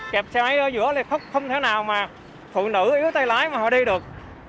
kẹp xe máy ở giữa thì không thể nào mà phụ nữ yếu tay lái mà họ đi được